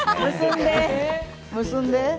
結んで？